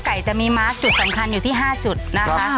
จะมีมาร์คจุดสำคัญอยู่ที่๕จุดนะคะ